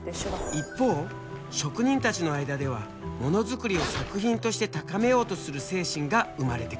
一方職人たちの間ではもの作りを作品として高めようとする精神が生まれてくる。